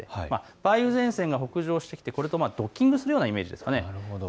梅雨前線が北上してきてドッキングするようなイメージです。